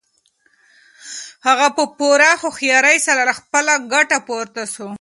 هغه په پوره هوښیارۍ سره له خپل کټه پورته شو.